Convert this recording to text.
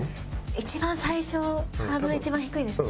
一番最初ハードル一番低いですよね。